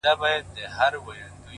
زما ياران اوس په دې شكل سوله.!